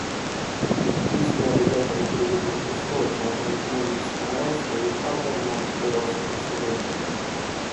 Эти действия обязательно приведут к устойчивому экономическому росту и управляемому приросту населения.